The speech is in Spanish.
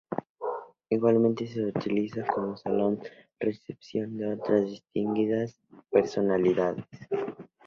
Igualmente, se utiliza como salón de recepción de otras distinguidas personalidades.